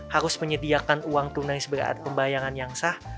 harus menyediakan uang tunai pembayangan yang sah